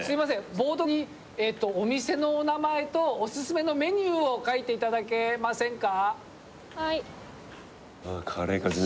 ボードにえーとお店のお名前とオススメのメニューを書いていただけませんか？